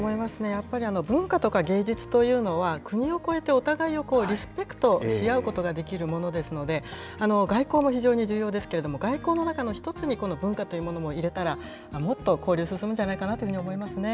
やっぱり文化とか芸術というのは、国を越えてお互いをリスペクトし合うことができるものですので、外交も非常に重要ですけれども、外交の中の一つに、この文化というものも入れたら、もっと交流進むんじゃないかというふうに思い